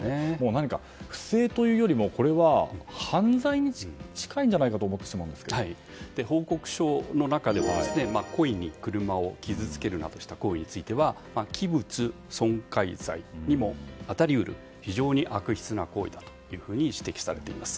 何か不正というよりもこれは犯罪に近いんじゃないかと報告書の中では、故意に車を傷つけるなどした行為については器物損壊罪にも当たり得る非常に悪質な行為だと指摘されています。